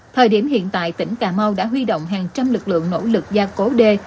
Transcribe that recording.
thời điểm hiện tại tỉnh cà mau đã huy động hàng trăm lực lượng nỗ lực gia cố đê